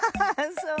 そう？